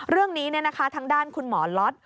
เรื่องนี้ทางด้านคุณหมอล็อต